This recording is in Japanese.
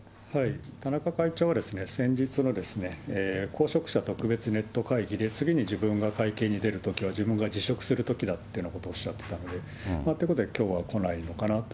田中会長は、先日のこうしょく者特別ネット会議で次に自分が会見に出るときは、自分が辞職するときだというようなことをおっしゃってたので、ということできょうは来ないのかなと。